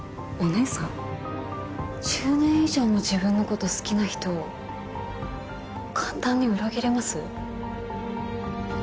１０年以上も自分の事好きな人を簡単に裏切れます？